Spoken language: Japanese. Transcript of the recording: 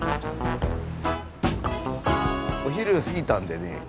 お昼過ぎたんでね